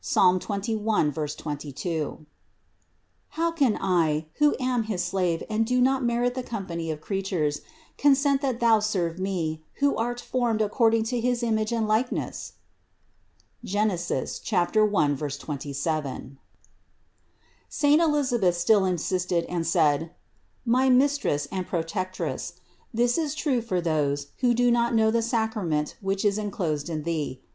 21, 22), how can I, who am his slave and do not merit the company of creatures, consent that thou serve me, who art formed according to his image and likeness?" (Gen. 1, 27). 235. Saint Elisabeth still insisted and said : "My Mis tress and Protectress, this is true for those, who do not know the sacrament which is enclosed in Thee.